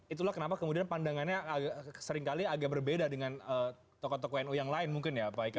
itulah kenapa kemudian pandangannya seringkali agak berbeda dengan tokoh tokoh nu yang lain mungkin ya pak eko